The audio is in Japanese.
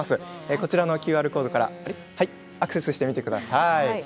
こちらのＱＲコードからアクセスしてみてください。